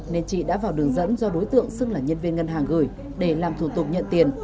nên chị đã vào đường dẫn do đối tượng xưng là nhân viên ngân hàng gửi để làm thủ tục nhận tiền